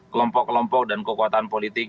kelompok kelompok dan kekuatan politik